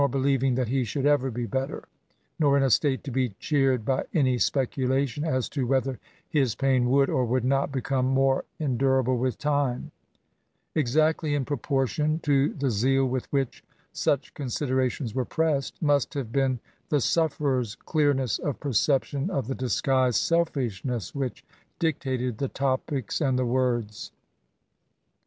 believing that he should ever be better, nor in a state to be cheered by any speculation as to whether his pain would, or would not become more endurable with time I Exactly in proportion to the aeal with Which such considerations were pressed, must have been the sufferer's clearness of perception of the disguised selfishness which dic tated the topics and the words.